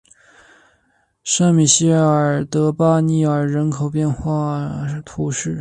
圣米歇尔德巴涅尔人口变化图示